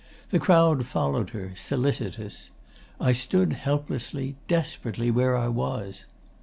The crowd followed her, solicitous. I stood helplessly, desperately, where I was.